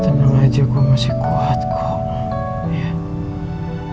tenang aja gua masih kuat kok